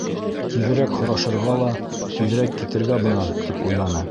Тиҙерәк һорашырға ла, тиҙерәк китергә бынан, тип уйланы.